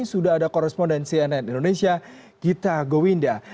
sudah ada korespondensi nn indonesia gita gowinda